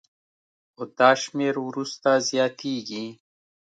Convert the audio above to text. خو دا شمېر وروسته زیاتېږي